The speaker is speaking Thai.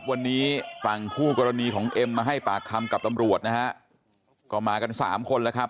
วันนี้ฝั่งคู่กรณีของเอ็มมาให้ปากคำกับตำรวจนะฮะก็มากันสามคนแล้วครับ